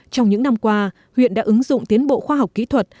trong những năm qua huyện đã ứng dụng tiến bộ khoa học kỹ thuật